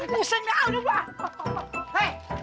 aduh pusing udah udah udah